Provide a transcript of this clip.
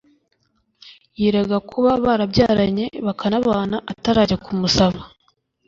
yirega kuba barabyaranye bakanabana atarajya kumusaba